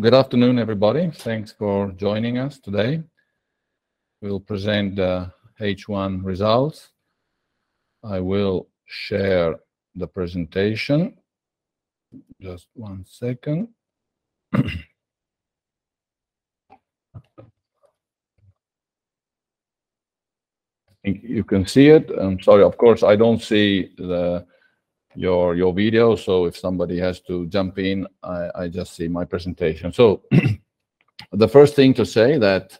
Good afternoon, everybody. Thanks for joining us today. We'll present the H1 results. I will share the presentation. Just one second. I think you can see it. I'm sorry. Of course, I don't see your video, so if somebody has to jump in, I just see my presentation. The first thing to say that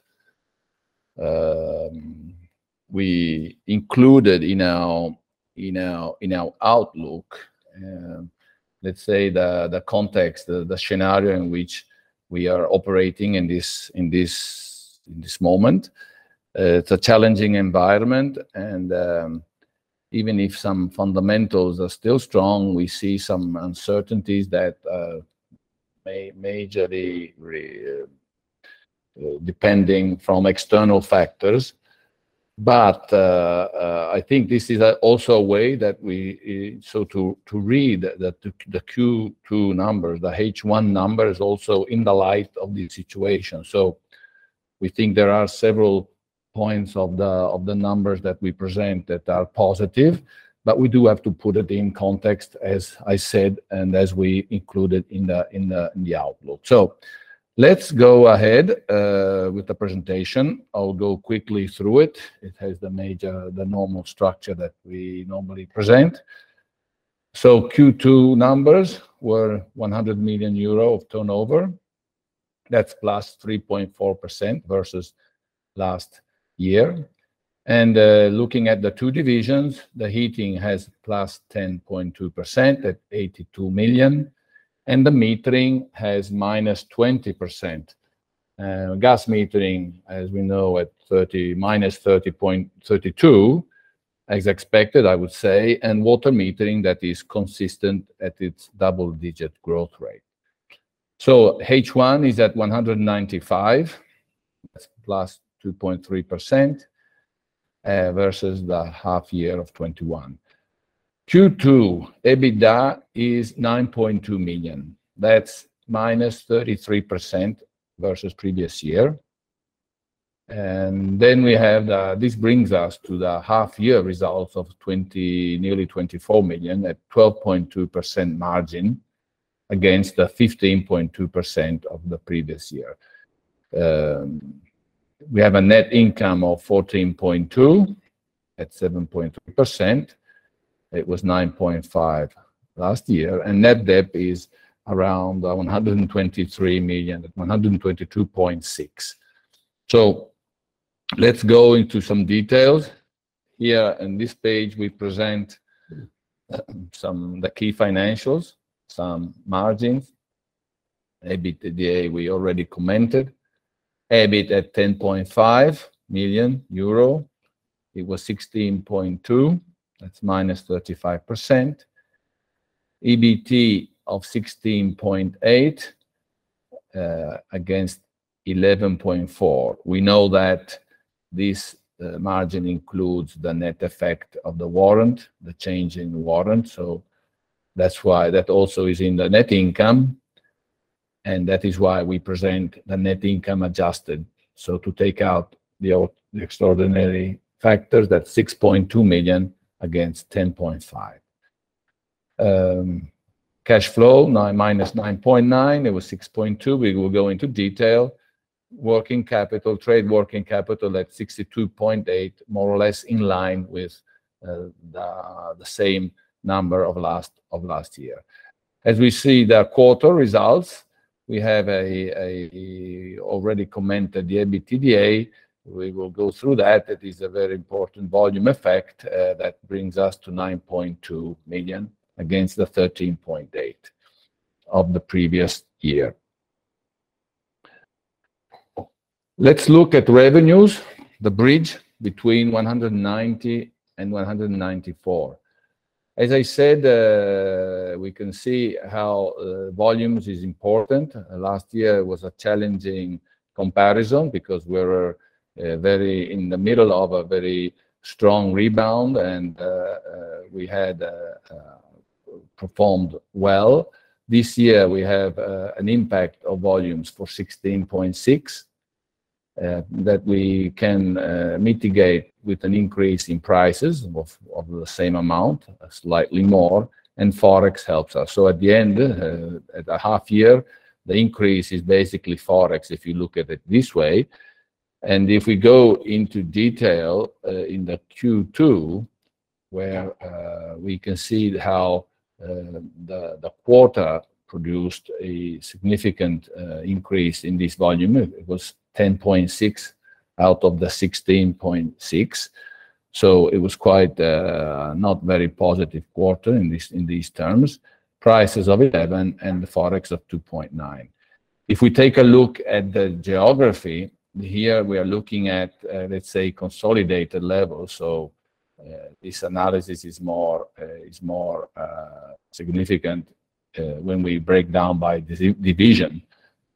we included in our outlook, let's say the context, the scenario in which we are operating in this moment, it's a challenging environment and even if some fundamentals are still strong, we see some uncertainties that may majorly depend on external factors. I think this is also a way that we to read the Q2 number, the H1 number is also in the light of the situation. We think there are several points of the numbers that we present that are positive, but we do have to put it in context, as I said, and as we included in the outlook. Let's go ahead with the presentation. I'll go quickly through it. It has the normal structure that we normally present. Q2 numbers were 100 million euro of turnover. That's +3.4% versus last year. Looking at the two divisions, the heating has +10.2% at 82 million, and the metering has -20%. Gas metering, as we know, -30.32%, as expected, I would say. Water metering, that is consistent at its double-digit growth rate. H1 is at 195, that's +2.3%, versus the half year of 2021. Q2 EBITDA is 9.2 million. That's -33% versus previous year. This brings us to the half year results of 2022 nearly 24 million at 12.2% margin against the 15.2% of the previous year. We have a net income of 14.2 at 7.3%. It was 9.5 million last year. Net debt is around 123 million at 122.6 million. Let's go into some details. Here in this page, we present the key financials, some margins. EBITDA, we already commented. EBIT at 10.5 million euro. It was 16.2 million. That's -35%. EBT of 16.8 against 11.4. We know that this margin includes the net effect of the warrant, the change in warrant, so that's why that also is in the net income, and that is why we present the adjusted net income. To take out the extraordinary factors, that's 6.2 million against 10.5 million. Cash flow, -9.9%. It was 6.2 million. We will go into detail. Working capital, trade working capital at 62.8 million, more or less in line with the same number as last year. As we see the quarter results, we have already commented the EBITDA. We will go through that. It is a very important volume effect, that brings us to 9.2 million against the 13.8 million of the previous year. Let's look at revenues, the bridge between 190 million and 194 million. As I said, we can see how, volumes is important. Last year was a challenging comparison because we're very in the middle of a very strong rebound and, we had performed well. This year, we have an impact of volumes for 16.6 million, that we can mitigate with an increase in prices of the same amount, slightly more, and Forex helps us. At the end, at the half year, the increase is basically Forex if you look at it this way. If we go into detail in the Q2, where we can see how the quarter produced a significant increase in this volume. It was 10.6 out of the 16.6, so it was quite not very positive quarter in these terms. Prices of 11 and the Forex of 2.9. If we take a look at the geography, here we are looking at let's say consolidated levels. This analysis is more significant when we break down by division.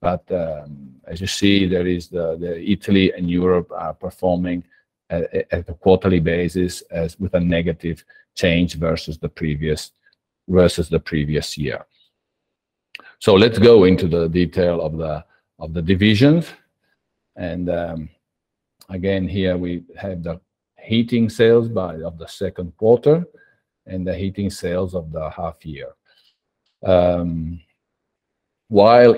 As you see, Italy and Europe are performing at a quarterly basis as with a negative change versus the previous year. Let's go into the detail of the divisions. Again, here we have the heating sales of the second quarter and the heating sales of the half year. While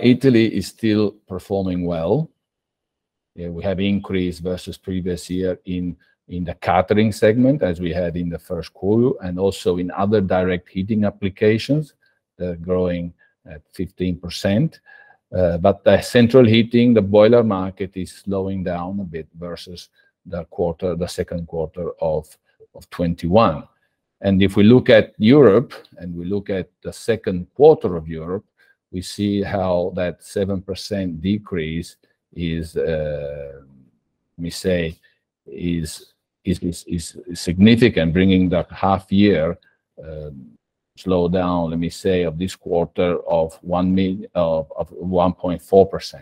Italy is still performing well, yeah, we have increased versus previous year in the catering segment as we had in the first quarter, and also in other direct heating applications, they're growing at 15%. But the central heating, the boiler market, is slowing down a bit versus the second quarter of 2021. If we look at Europe and we look at the second quarter in Europe, we see how that 7% decrease is, let me say, significant, bringing that half year slowdown, let me say, to 1.4%.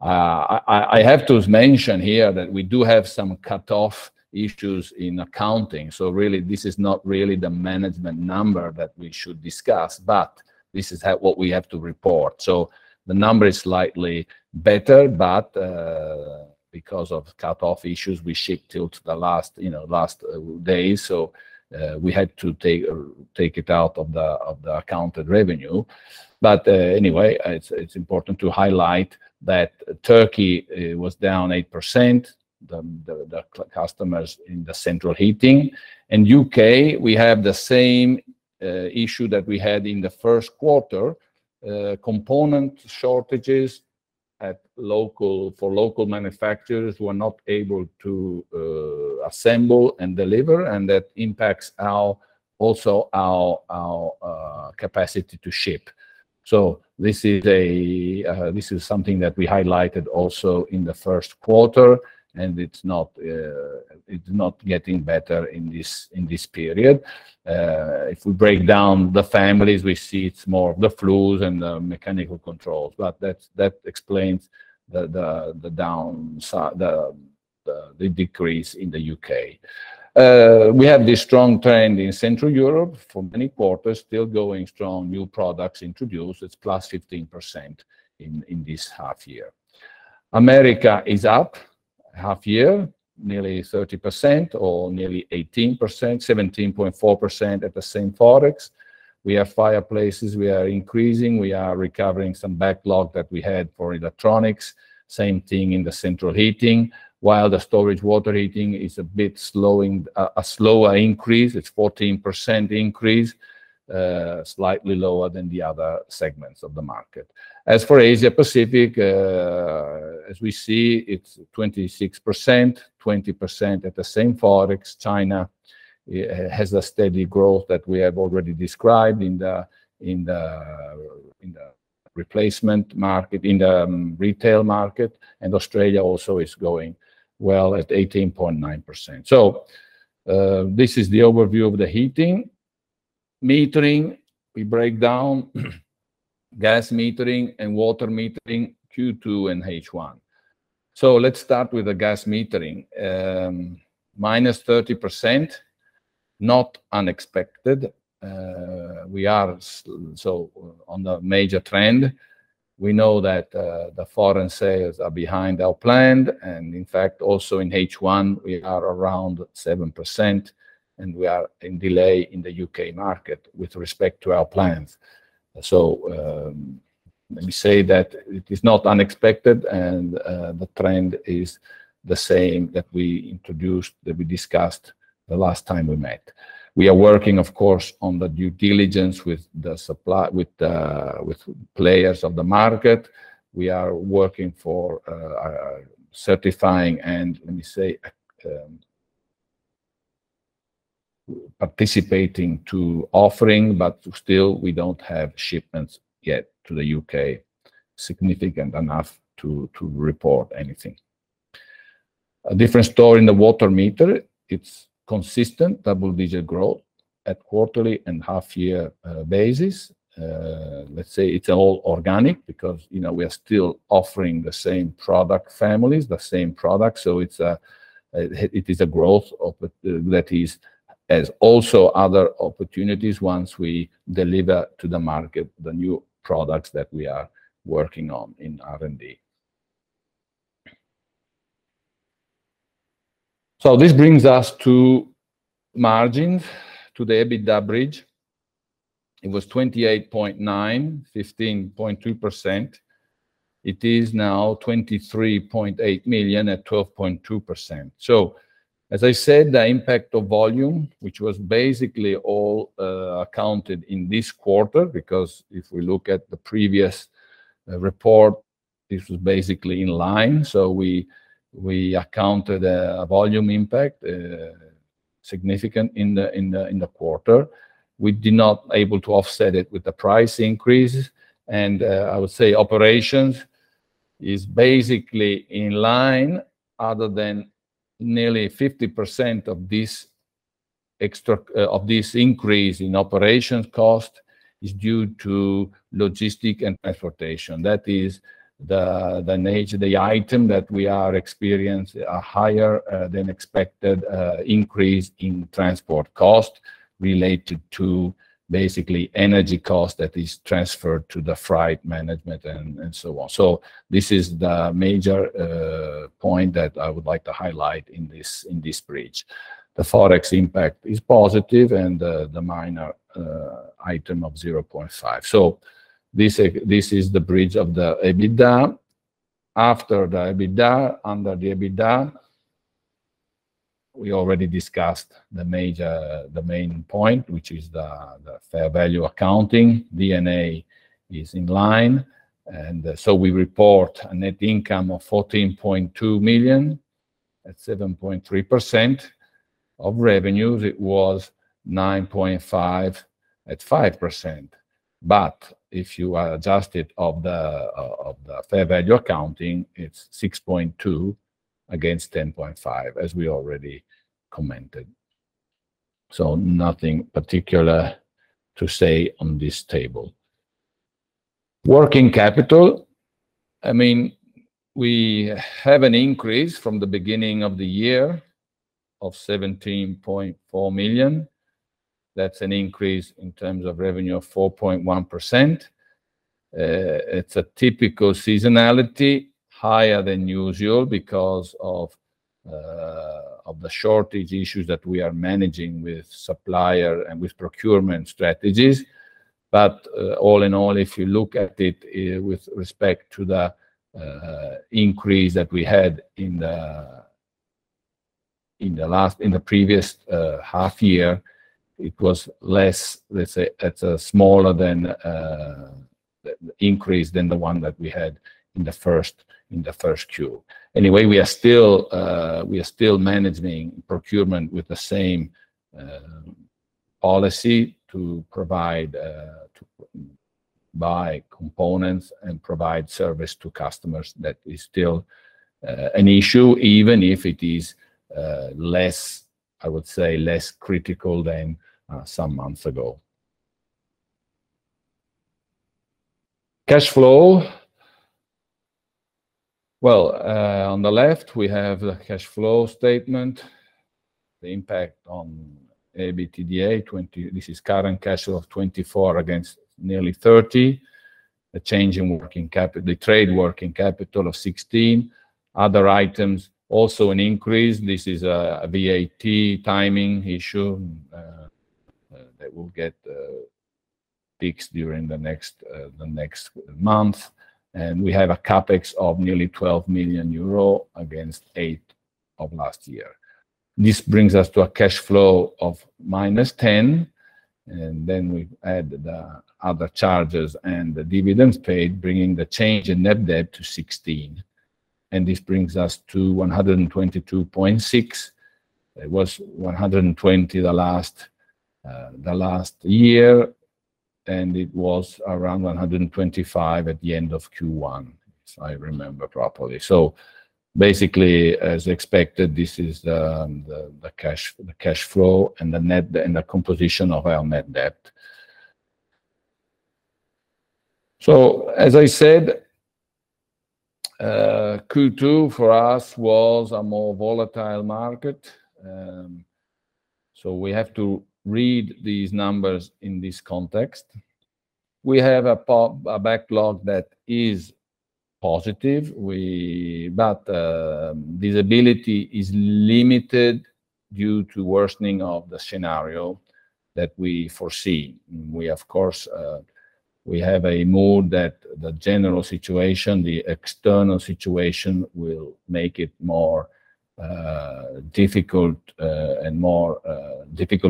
I have to mention here that we do have some cutoff issues in accounting, so really this is not really the management number that we should discuss, but this is what we have to report. The number is slightly better, but because of cutoff issues, we ship till the last, you know, last day. We had to take it out of the accounted revenue. Anyway, it's important to highlight that Turkey, it was down 8%, the customers in the central heating. In U.K., we have the same issue that we had in the first quarter, component shortages at local manufacturers who are not able to assemble and deliver, and that impacts our capacity to ship. This is something that we highlighted also in the first quarter, and it's not getting better in this period. If we break down the families, we see it's more the flues and the mechanical controls, but that explains the downside, the decrease in the U.K. We have this strong trend in Central Europe for many quarters, still going strong. New products introduced, it's +15% in this half year. America is up half year, nearly 30% or nearly 18%, 17.4% at the same Forex. We have fireplaces, we are increasing, we are recovering some backlog that we had for electronics. Same thing in the central heating. While the storage water heating is a bit slowing, a slower increase, it's 14% increase, slightly lower than the other segments of the market. As for Asia Pacific, as we see, it's 26%, 20% at the same Forex. China has a steady growth that we have already described in the replacement market, in the retail market, and Australia also is growing well at 18.9%. This is the overview of the heating. Metering, we break down gas metering and water metering Q2 and H1. Let's start with the gas metering. -30%, not unexpected. We are so on the major trend. We know that the foreign sales are behind our plan. In fact, also in H1, we are around 7%, and we are in delay in the U.K. market with respect to our plans. Let me say that it is not unexpected, and the trend is the same that we introduced, that we discussed the last time we met. We are working, of course, on the due diligence with the suppliers, with players of the market. We are working for certifying and, let me say, participating to offering, but still we don't have shipments yet to the U.K. significant enough to report anything. A different story in the water meter. It's consistent double-digit growth at quarterly and half-year basis. Let's say it's all organic because, you know, we are still offering the same product families, the same product. It is a growth opportunity. That is as also other opportunities once we deliver to the market the new products that we are working on in R&D. This brings us to margins, to the EBITDA bridge. It was 28.9 million, 15.2%. It is now 23.8 million at 12.2%. As I said, the impact of volume, which was basically all accounted in this quarter, because if we look at the previous report, this was basically in line. We accounted a volume impact significant in the quarter. We did not able to offset it with the price increases. I would say operations is basically in line other than nearly 50% of this extra of this increase in operations cost is due to logistics and transportation. That is the nature, the item that we are experiencing a higher than expected increase in transport cost related to basically energy cost that is transferred to the freight management and so on. This is the major point that I would like to highlight in this bridge. The Forex impact is positive and the minor item of 0.5. This is the bridge of the EBITDA. After the EBITDA, under the EBITDA, we already discussed the major, the main point, which is the fair value accounting. D&A is in line, and so we report a net income of 14.2 million at 7.3% of revenues. It was 9.5 million at 5%. If you are adjusted for the fair value accounting, it's 6.2 against 10.5, as we already commented. Nothing particular to say on this table. Working capital, I mean, we have an increase from the beginning of the year of 17.4 million. That's an increase in terms of revenue of 4.1%. It's a typical seasonality, higher than usual because of the shortage issues that we are managing with suppliers and with procurement strategies. All in all, if you look at it with respect to the increase that we had in the previous half year, it was less, let's say, it's smaller increase than the one that we had in the first Q. We are still managing procurement with the same policy to buy components and provide service to customers. That is still an issue, even if it is less critical than some months ago. Cash flow. Well, on the left we have the cash flow statement, the impact on EBITDA. This is current cash flow of 24 million against nearly 30 million. A change in working capital, the trade working capital of 16 million. Other items also an increase. This is a VAT timing issue that will get fixed during the next month. We have a CapEx of nearly 12 million euro against 8 million of last year. This brings us to a cash flow of -10%, and then we add the other charges and the dividends paid, bringing the change in net debt to 16 million. This brings us to 122.6. It was 120 the last year, and it was around 125 at the end of Q1, if I remember properly. Basically as expected, this is the cash flow and the net, and the composition of our net debt. As I said, Q2 for us was a more volatile market. We have to read these numbers in this context. We have a backlog that is positive. Visibility is limited due to worsening of the scenario that we foresee. We, of course, have a view that the general situation, the external situation, will make it more difficult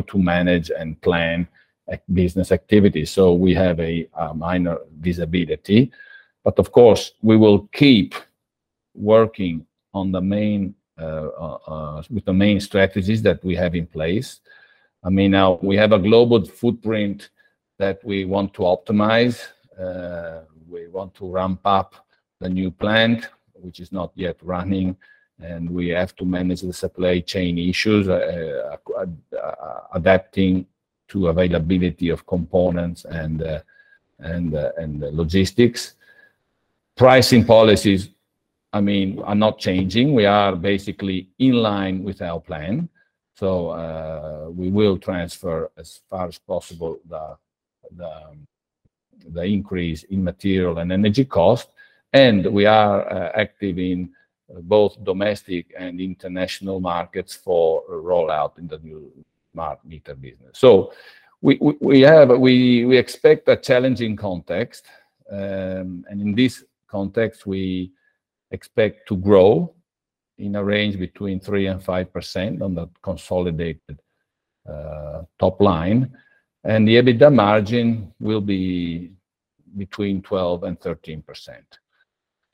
to manage and plan business activities. We have lower visibility, but of course, we will keep working on the main strategies that we have in place. I mean, now we have a global footprint that we want to optimize. We want to ramp up the new plant, which is not yet running, and we have to manage the supply chain issues, adapting to availability of components and logistics. Pricing policies, I mean, are not changing. We are basically in line with our plan, so we will transfer as far as possible the increase in material and energy cost. We are active in both domestic and international markets for rollout in the new meter business. We expect a challenging context, and in this context, we expect to grow in a range between 3% and 5% on the consolidated top line, and the EBITDA margin will be between 12% and 13%.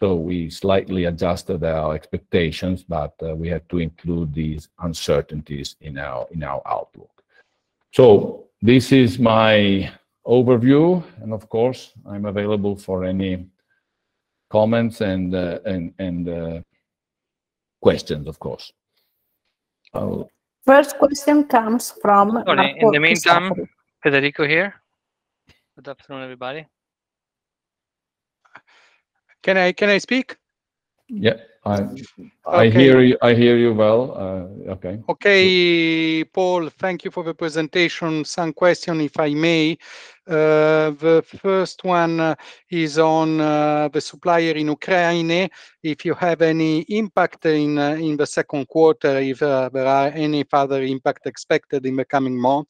We slightly adjusted our expectations, but we have to include these uncertainties in our outlook. This is my overview, and of course, I'm available for any comments and questions, of course. First question comes from. In the meantime, Federico here. Good afternoon, everybody. Can I speak? Yeah. Okay. I hear you, I hear you well. Okay. Okay. Paul, thank you for the presentation. A question, if I may. The first one is on the supplier in Ukraine, if you have any impact in the second quarter, if there are any further impact expected in the coming month.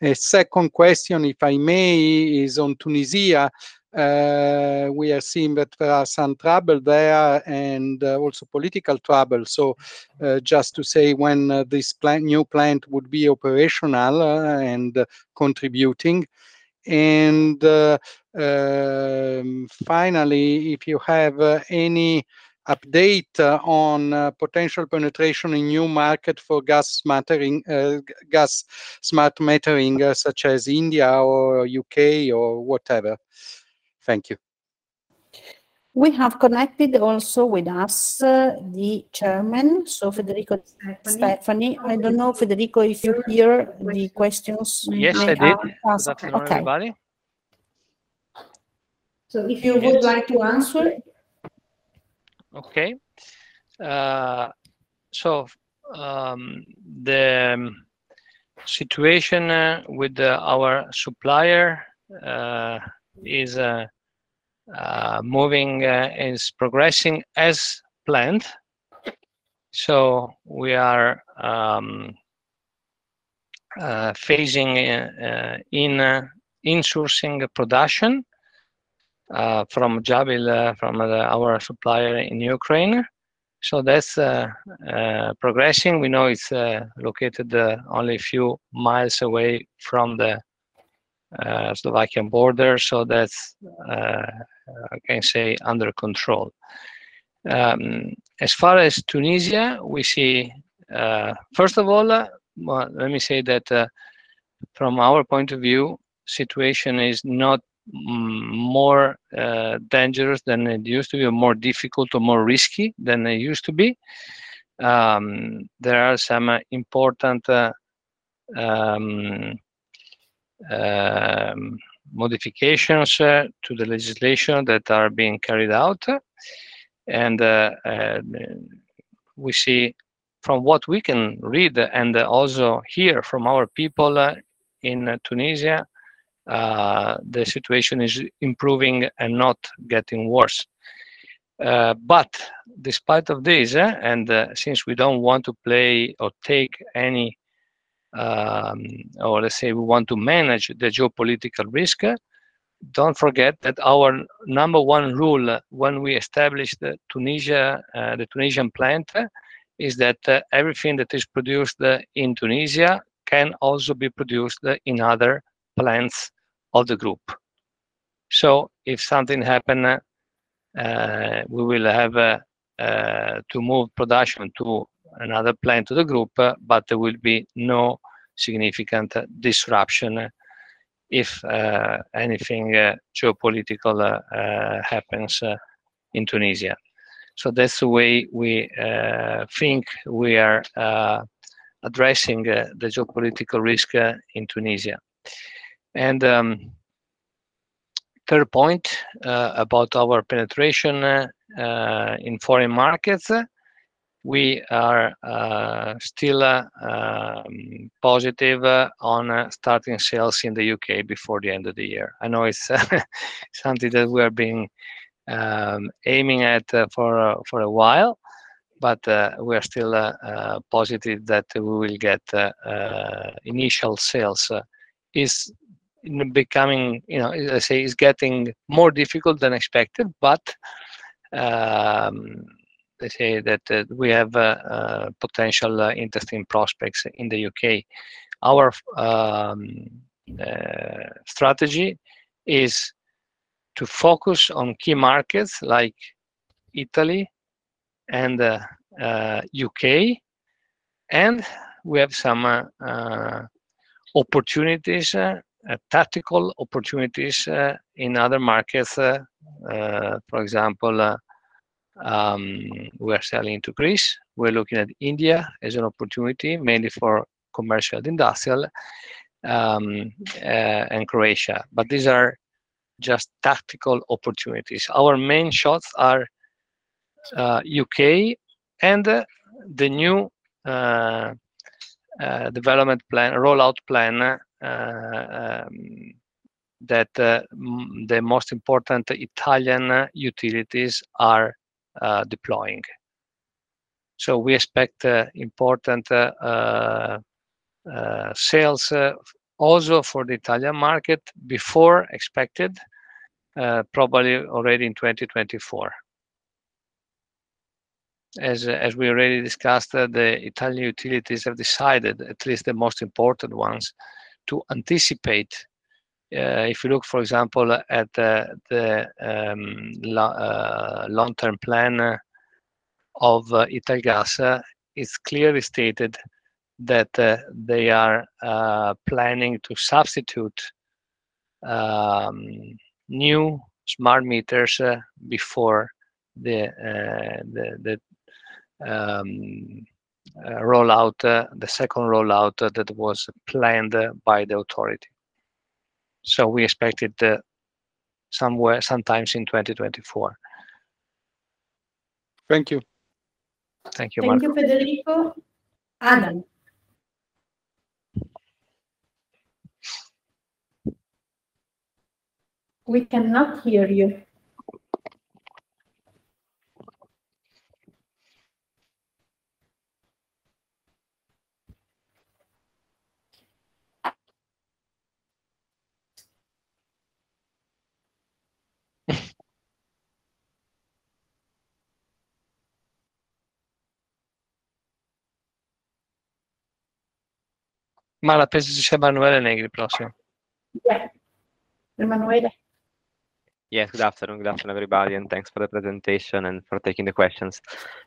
A second question, if I may, is on Tunisia. We are seeing that there are some trouble there and also political trouble. Just to say, when this new plant would be operational and contributing? And finally, if you have any update on potential penetration in new market for gas metering, gas smart metering, such as India or U.K., or whatever. Thank you. We have connected also with us, the Chairman, so Federico de' Stefani. I don't know, Federico, if you hear the questions? Yes, I did. Okay. Good afternoon, everybody. If you would like to answer. Okay, the situation with our supplier is progressing as planned. We are phasing in insourcing production from Jabil, our supplier in Ukraine, so that's progressing. We know it's located only a few miles away from the Slovak border, so that's, I can say, under control. As far as Tunisia, we see. First of all, well, let me say that from our point of view, situation is not more dangerous than it used to be or more difficult or more risky than it used to be. There are some important modifications to the legislation that are being carried out. We see from what we can read and also hear from our people in Tunisia the situation is improving and not getting worse. Despite this, since we don't want to play or take any, let's say we want to manage the geopolitical risk. Don't forget that our number one rule when we established Tunisia the Tunisian plant is that everything that is produced in Tunisia can also be produced in other plants of the group. If something happen, we will have to move production to another plant of the group, but there will be no significant disruption if anything geopolitical happens in Tunisia. That's the way we think we are addressing the geopolitical risk in Tunisia. Third point about our penetration in foreign markets. We are still positive on starting sales in the U.K. before the end of the year. I know it's something that we have been aiming at for a while, but we are still positive that we will get initial sales. It is becoming, you know, as I say, it's getting more difficult than expected, but let's say that we have potentially interesting prospects in the U.K. Our strategy is to focus on key markets like Italy and U.K., and we have some tactical opportunities in other markets. For example, we are selling to Greece. We're looking at India as an opportunity, mainly for commercial and industrial, and Croatia. These are just tactical opportunities. Our main shots are U.K. and the new development plan, rollout plan that the most important Italian utilities are deploying. We expect important sales also for the Italian market before expected, probably already in 2024. As we already discussed, the Italian utilities have decided, at least the most important ones, to anticipate if you look, for example, at the long-term plan of Italgas, it's clearly stated that they are planning to substitute new smart meters before the rollout, the second rollout that was planned by the authority. We expect it somewhere, sometimes in 2024. Thank you. Thank you, Marco. Thank you, Federico. Adam Forsyth? We cannot hear you. Emanuele Negri. Yeah. Emanuele. Yes, good afternoon. Good afternoon, everybody, and thanks for the presentation and for taking the questions.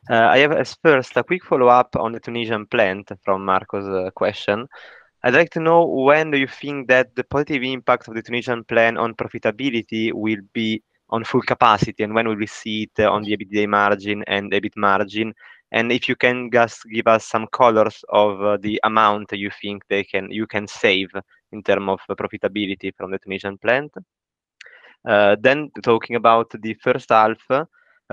I have first, a quick follow-up on the Tunisian plant from Marco's question. I'd like to know when do you think that the positive impact of the Tunisian plant on profitability will be on full capacity, and when will we see it on the EBITDA margin and EBIT margin? And if you can just give us some colors of the amount that you think you can save in terms of profitability from the Tunisian plant. Talking about the first half,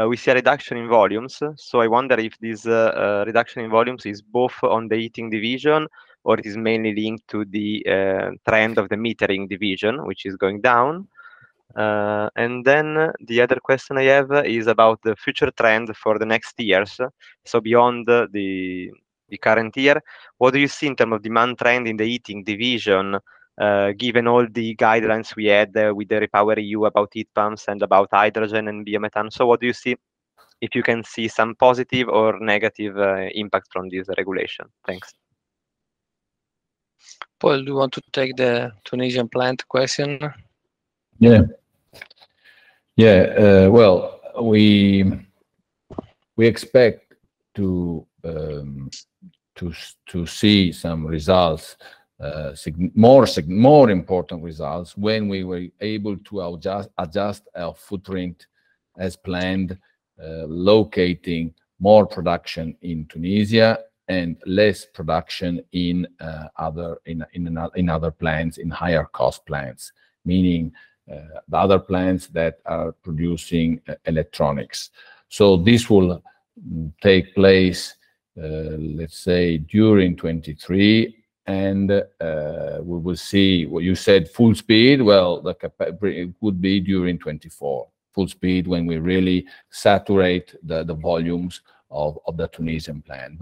we see a reduction in volumes, so I wonder if this reduction in volumes is both on the heating division or it is mainly linked to the trend of the metering division, which is going down. The other question I have is about the future trend for the next years, so beyond the current year. What do you see in terms of demand trend in the heating division, given all the guidelines we had, with the REPowerEU about heat pumps and about hydrogen and biomethane? What do you see, if you can see some positive or negative impact from this regulation? Thanks. Paul, do you want to take the Tunisian plant question? Yeah. Yeah, well, we expect to see some more important results when we will be able to adjust our footprint as planned, locating more production in Tunisia and less production in other plants, in higher cost plants, meaning the other plants that are producing electronics. This will take place, let's say during 2023, and we will see what you said, full speed. Well, it would be during 2024, full speed when we really saturate the volumes of the Tunisian plant.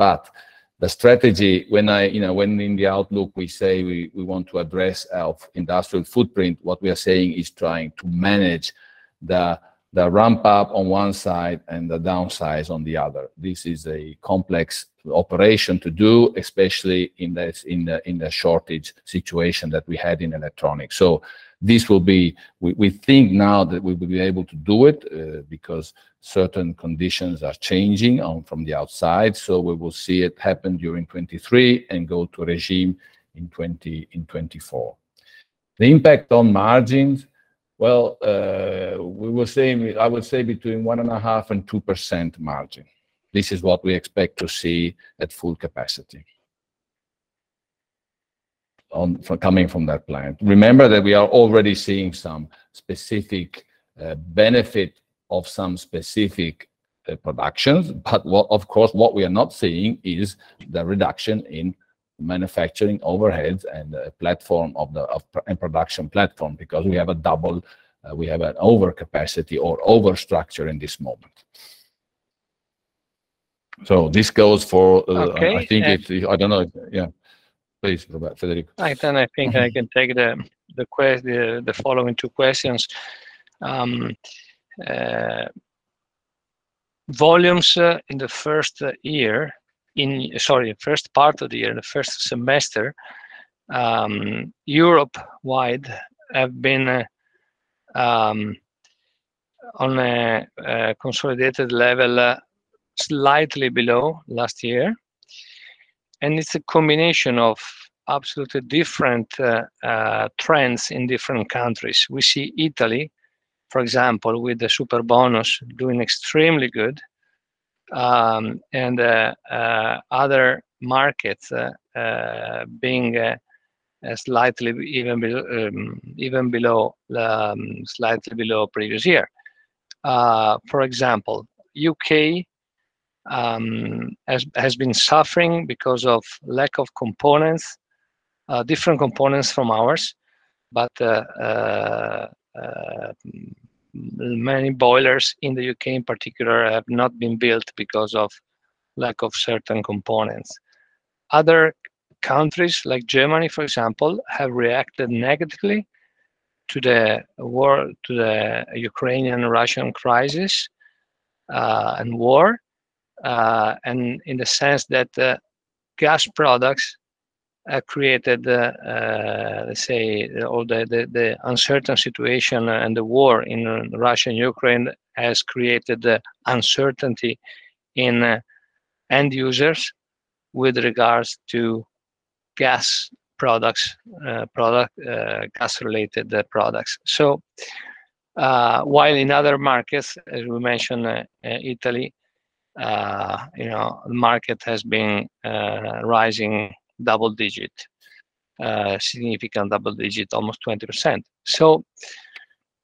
The strategy, you know, when in the outlook we say we want to address our industrial footprint, what we are saying is trying to manage the ramp up on one side and the downsize on the other. This is a complex operation to do, especially in the shortage situation that we had in electronics. We think now that we will be able to do it, because certain conditions are changing from the outside, so we will see it happen during 2023 and go to regime in 2024. The impact on margins, I would say between 1.5% and 2% margin. This is what we expect to see at full capacity, coming from that plant. Remember that we are already seeing some specific benefit of some specific productions, but, of course, what we are not seeing is the reduction in manufacturing overheads and the platform and production platform because we have an overcapacity or overstructure in this moment. This goes for, Okay. I don't know. Yeah. Please, go ahead Federico. All right, I think I can take the following two questions. Volumes in the first part of the year, in the first semester, Europe-wide have been on a consolidated level slightly below last year. It's a combination of absolutely different trends in different countries. We see Italy, for example, with the Superbonus doing extremely good, and other markets being slightly below previous year. For example, U.K. has been suffering because of lack of components, different components from ours, but many boilers in the U.K. in particular have not been built because of lack of certain components. Other countries like Germany, for example, have reacted negatively to the war, to the Ukrainian-Russian crisis, and war, and in the sense that gas products have created the uncertain situation and the war in Russia and Ukraine has created the uncertainty in end users with regards to gas-related products. While in other markets, as we mentioned, Italy, you know, the market has been rising double digit, significant double digit, almost 20%.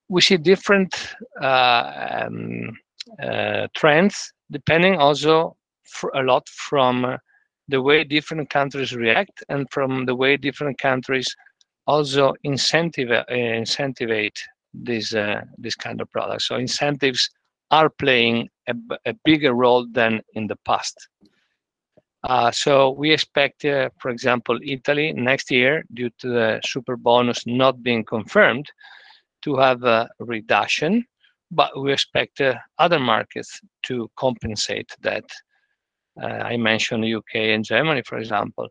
We see different trends, depending also a lot from the way different countries react and from the way different countries also incentivize these kind of products. Incentives are playing a bigger role than in the past. We expect, for example, Italy next year, due to the Superbonus not being confirmed, to have a reduction, but we expect other markets to compensate that. I mentioned U.K, and Germany, for example.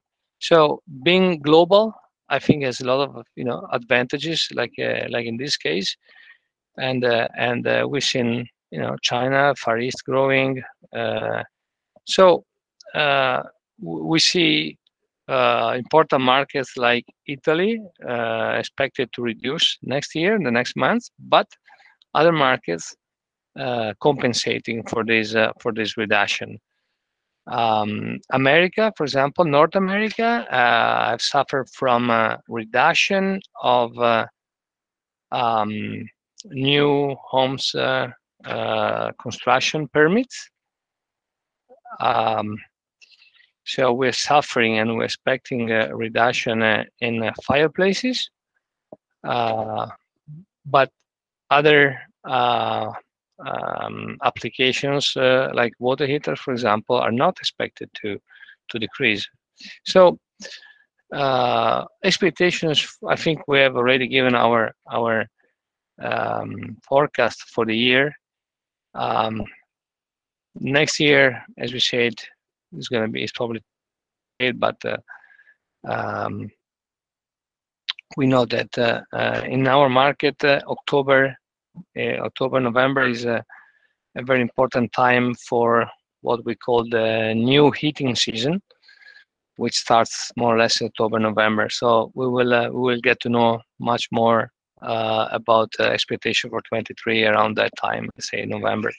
Being global, I think has a lot of, you know, advantages like in this case and we've seen, you know, China, Far East growing. We see important markets like Italy expected to reduce next year, in the next months, but other markets compensating for this, for this reduction. America, for example, North America, have suffered from a reduction of new homes construction permits. We're suffering, and we're expecting a reduction in fireplaces. Other applications, like water heater, for example, are not expected to decrease. Expectations, I think we have already given our forecast for the year. Next year, as we said, is gonna be. We know that in our market, October, November is a very important time for what we call the new heating season, which starts more or less October, November. We will get to know much more about expectation for 2023 around that time, say November.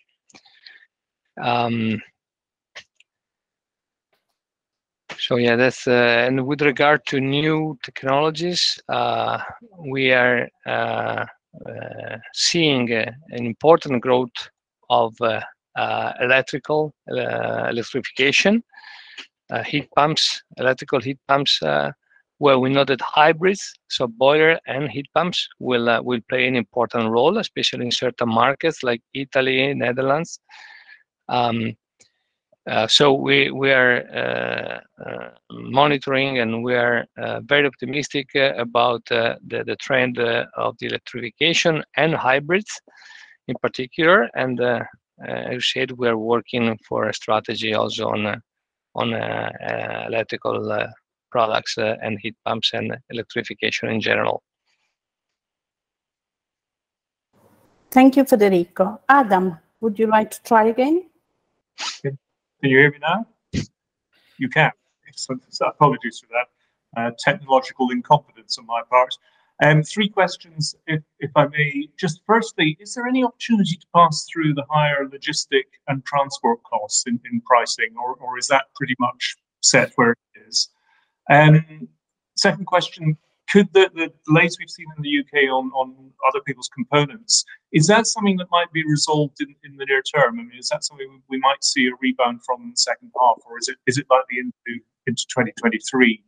Yeah, that's. With regard to new technologies, we are seeing an important growth of electrical electrification. Heat pumps, electrical heat pumps, where we know that hybrids, so boiler and heat pumps will play an important role, especially in certain markets like Italy and Netherlands. We are monitoring and we are very optimistic about the trend of the electrification and hybrids in particular. As we said, we are working for a strategy also on electrical products and heat pumps and electrification in general. Thank you, Federico. Adam, would you like to try again? Can you hear me now? You can. Excellent. Apologies for that, technological incompetence on my part. Three questions if I may. Just firstly, is there any opportunity to pass through the higher logistic and transport costs in pricing or is that pretty much set where it is? Second question, could the latest we've seen in the U.K. on other people's components, is that something that might be resolved in the near term? I mean, is that something we might see a rebound from in the second half, or is it likely into 2023?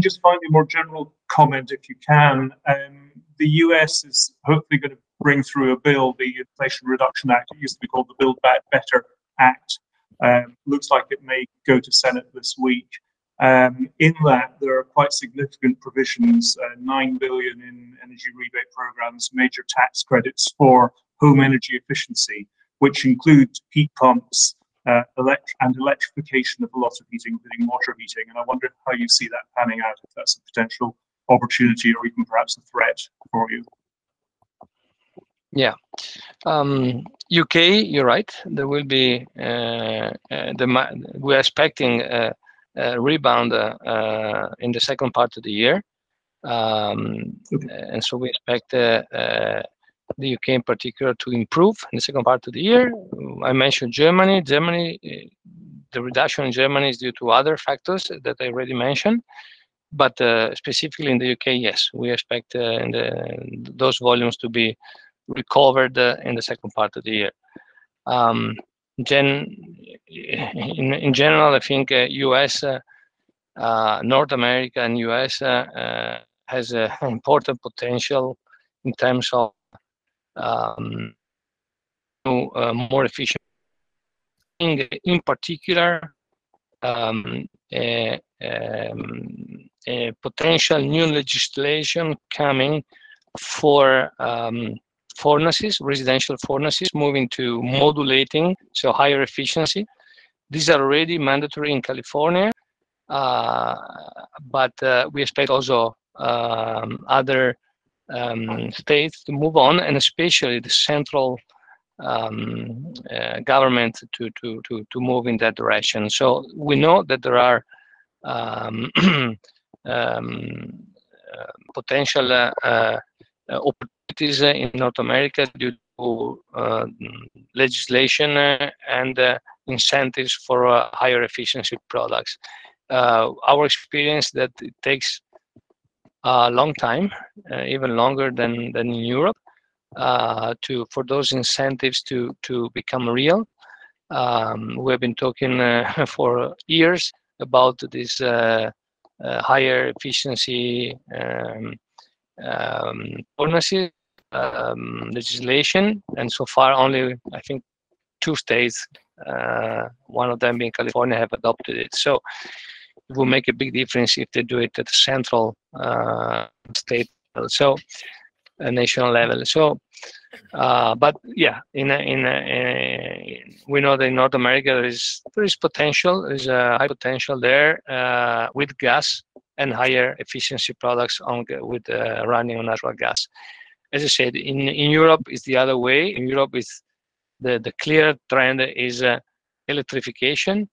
Just finally, more general comment, if you can, the U.S. is hopefully gonna bring through a bill, the Inflation Reduction Act. It used to be called the Build Back Better Act. Looks like it may go to Senate this week. In that there are quite significant provisions, $9 billion in energy rebate programs, major tax credits for home energy efficiency, which includes heat pumps, and electrification of lots of heating, including water heating, and I wonder how you see that panning out, if that's a potential opportunity or even perhaps a threat for you. Yeah. U.K., you're right. There will be. We're expecting a rebound in the second part of the year. Okay We expect the U.K. In particular to improve in the second part of the year. I mentioned Germany. Germany, the reduction in Germany is due to other factors that I already mentioned, but specifically in the U.K., yes, we expect those volumes to be recovered in the second part of the year. Then in general, I think the US, North America and the US has an important potential in terms of more efficient heating. In particular, a potential new legislation coming for furnaces, residential furnaces moving to modulating, so higher efficiency. These are already mandatory in California, but we expect also other states to move on and especially the central government to move in that direction. We know that there are potential opportunities in North America due to legislation and incentives for higher efficiency products. Our experience that it takes a long time, even longer than in Europe, for those incentives to become real. We have been talking for years about this higher efficiency policy legislation. So far only I think two states, one of them being California, have adopted it. It will make a big difference if they do it at the central state level, so a national level. We know that in North America there is potential. There's a high potential there with gas and higher efficiency products with running on natural gas. As I said, in Europe it's the other way. In Europe, it's the clear trend is electrification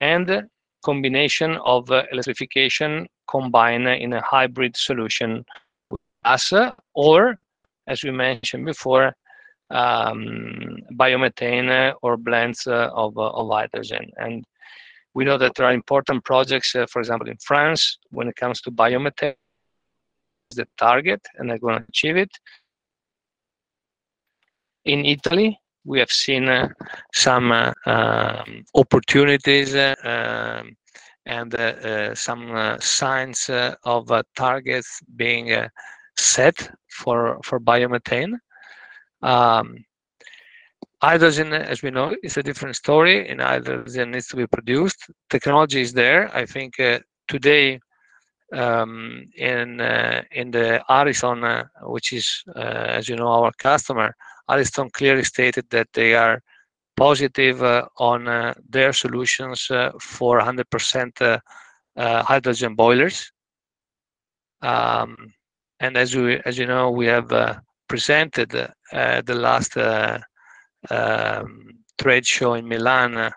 and combination of electrification combined in a hybrid solution with gas or, as we mentioned before, biomethane or blends of hydrogen. We know that there are important projects, for example, in France when it comes to biomethane, the target, and they're gonna achieve it. In Italy, we have seen some opportunities and some signs of targets being set for biomethane. Hydrogen, as we know, is a different story, and hydrogen needs to be produced. Technology is there. I think today in the Ariston, which is, as you know, our customer, Ariston clearly stated that they are positive on their solutions for 100% hydrogen boilers. As you know, we have presented at the last trade show in Milan,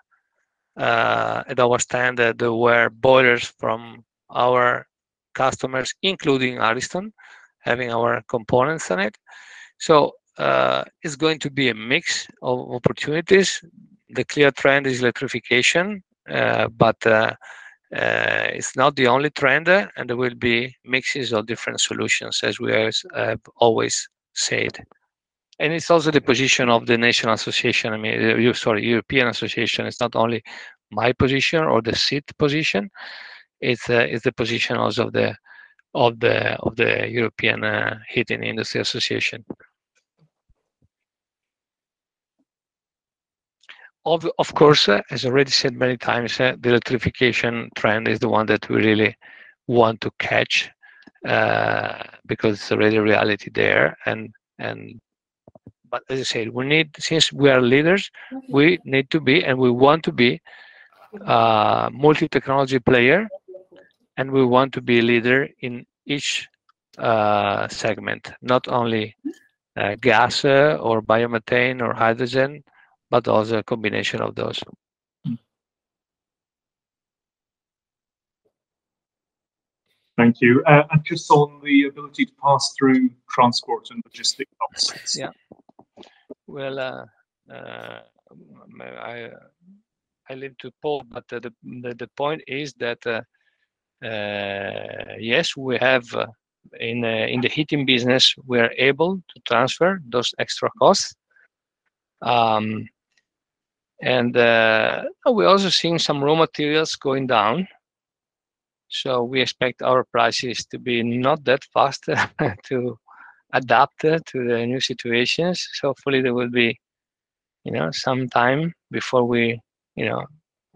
at our stand, there were boilers from our customers, including Ariston, having our components in it. It's going to be a mix of opportunities. The clear trend is electrification. It's not the only trend, and there will be mixes of different solutions, as we have always said. It's also the position of the National Association. I mean, sorry, European Association. It's not only my position or the SIT position. It's the position also of the Association of the European Heating Industry. Of course, as I already said many times, the electrification trend is the one that we really want to catch, because it's already a reality there, but as I said, since we are leaders, we need to be and we want to be a multi-technology player, and we want to be a leader in each segment. Not only gas or biomethane or hydrogen, but also a combination of those. Thank you. Just on the ability to pass through transport and logistics costs. Yeah. Well, I leave to Paul, but the point is that yes, we have in the heating business, we are able to transfer those extra costs. We're also seeing some raw materials going down, so we expect our prices to be not that fast to adapt to the new situations. Hopefully, there will be, you know, some time before we, you know,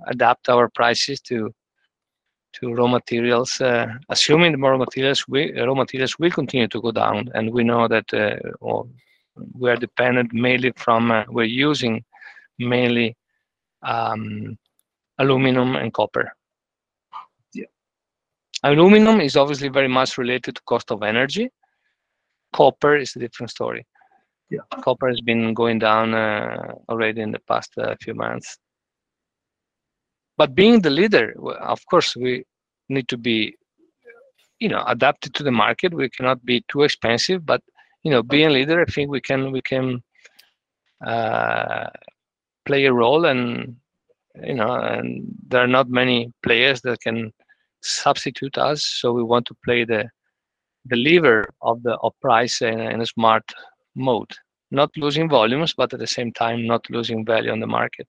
adapt our prices to raw materials, assuming the raw materials will continue to go down. We know that we are dependent mainly on. We're using mainly aluminum and copper. Yeah. Aluminum is obviously very much related to cost of energy. Copper is a different story. Yeah. Copper has been going down already in the past few months. Being the leader, of course we need to be, you know, adapted to the market. We cannot be too expensive. You know, being a leader, I think we can play a role and, you know, and there are not many players that can substitute us, so we want to play the leader of the price in a smart mode. Not losing volumes, but at the same time not losing value on the market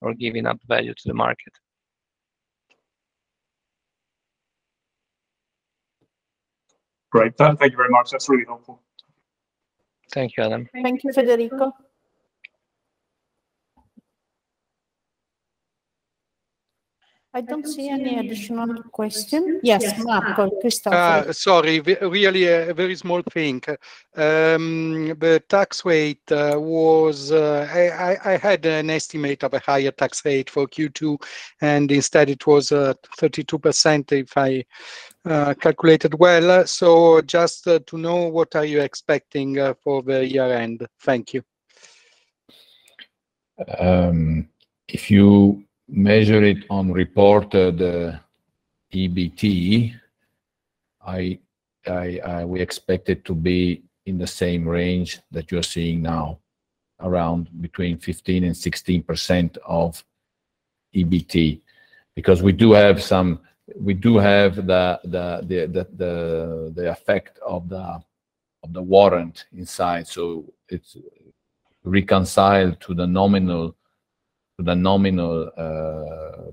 or giving up value to the market. Great. Thank you very much. That's really helpful. Thank you, Adam. Thank you, Federico. I don't see any additional question. Yes, Marco Cristoforetti. Sorry. Really a very small thing. I had an estimate of a higher tax rate for Q2, and instead it was 32% if I calculated well. Just to know what are you expecting for the year-end. Thank you. If you measure it on reported EBT, we expect it to be in the same range that you're seeing now, around between 15% and 16% of EBT. Because we do have the effect of the warrant inside, so it's reconciled to the nominal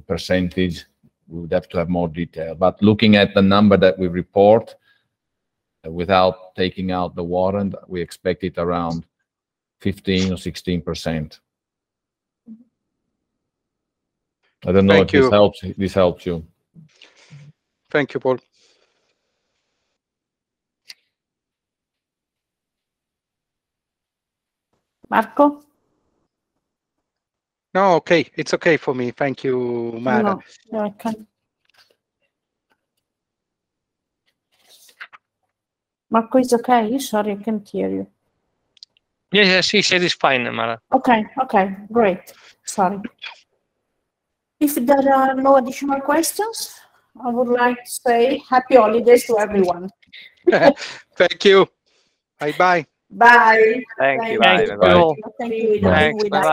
percentage. We would have to have more detail. Looking at the number that we report, without taking out the warrant, we expect it around 15% or 16%. Thank you. I don't know if this helps you. Thank you, Paul. Marco? No, okay. It's okay for me. Thank you, Mara. No, I can't. Marco, it's okay? Sorry, I can't hear you. Yes, yes, she said it's fine, Mara. Okay, great. Sorry. If there are no additional questions, I would like to say happy holidays to everyone. Thank you. Bye bye. Bye. Thank you. Bye bye. Thanks. Bye.